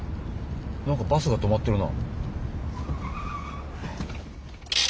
なんかバスが止まってるな。